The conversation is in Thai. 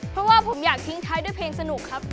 เพราะว่าผมอยากทิ้งท้ายด้วยเพลงสนุกครับ